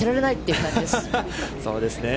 そうですね。